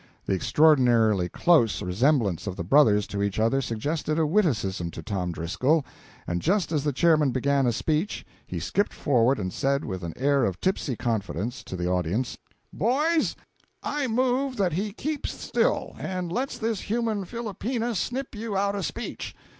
The extraordinarily close resemblance of the brothers to each other suggested a witticism to Tom Driscoll, and just as the chairman began a speech he skipped forward and said with an air of tipsy confidence to the audience "Boys, I move that he keeps still and lets this human philopena snip you out a speech."